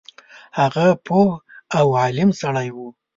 هغه پوه او عالم سړی وو.